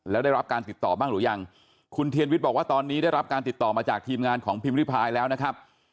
แล้วได้รับการติดต่อบ้างหรือยังคุณเทียนวิทย์บอกว่าตอนนี้ได้รับการติดต่อมาจากทีมงานของพิมพ์ริพายแล้วนะครับ